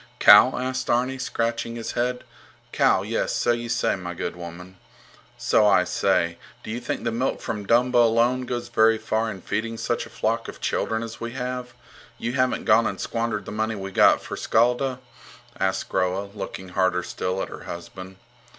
Cow? asked Arni, scratching his head. Cow? Yes, so you say, my good woman. So I say? Do you think the milk from Dumba alone goes very far in feeding such a flock of children as we have? You haven't gone and squandered the money we got for Skjalda? asked Groa, looking harder still at her husband.